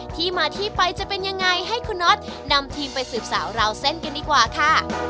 ที่มาที่ไปจะเป็นยังไงให้คุณน็อตนำทีมไปสืบสาวราวเส้นกันดีกว่าค่ะ